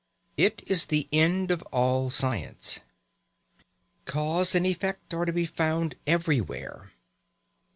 It is the end of all science. Cause and effect are to be found everywhere.